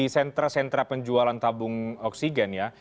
yang menggunakan tabung oksigen ya